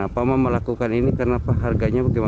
padi sepuluh kg